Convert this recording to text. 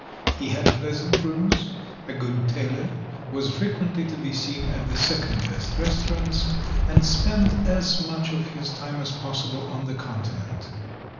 He had pleasant rooms, a good tailor, was frequently to be seen at the second best restaurants, and spent as much of his time as possible on the Con tinent.